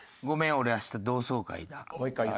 俺明日同窓会だ。